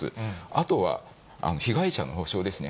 あとは被害者の補償ですね。